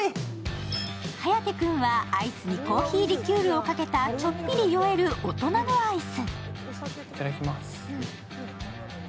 颯君はアイスにコーヒーリキュールをかけたちょっぴり酔える大人のアイス。